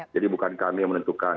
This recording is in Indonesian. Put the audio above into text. jadi bukan kami yang menentukan